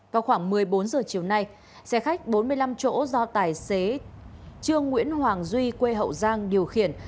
vào khoảng một mươi bốn h chiều nay xe khách bốn mươi năm chỗ do tài xế trương nguyễn hoàng duy quê hậu giang điều khiển